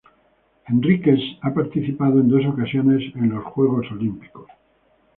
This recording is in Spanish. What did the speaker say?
Henriques ha participado en dos ocasiones en los Juegos Olímpicos.